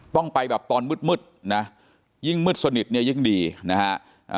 ต้องไปแบบตอนมืดมืดนะยิ่งมืดสนิทเนี่ยยิ่งดีนะฮะ